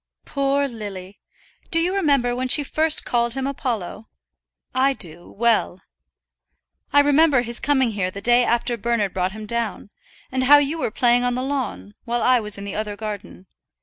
"Poor Lily! Do you remember when she first called him Apollo? I do, well. I remember his coming here the day after Bernard brought him down, and how you were playing on the lawn, while I was in the other garden.